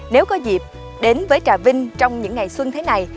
nếu có dịp đến với trà vinh trong những ngày xuân thế này